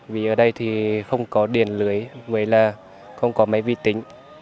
vì ở đây thì không có điện lưới vậy là không có máy vi tính